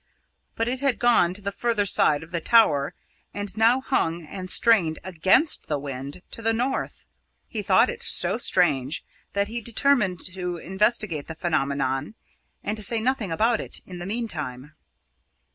But it had gone to the further side of the tower, and now hung and strained against the wind to the north. He thought it so strange that he determined to investigate the phenomenon, and to say nothing about it in the meantime.